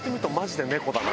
猫だな。